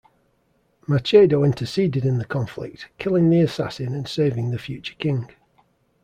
Macedo interceded in the conflict, killing the assassin and saving the future King.